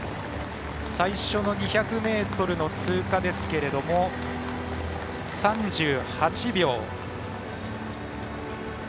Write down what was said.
最初の２００ｍの通過ですが３８秒。